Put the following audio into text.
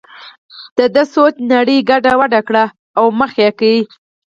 دده د سوچ نړۍ یې ګډه وډه کړه او یې مخه کړه.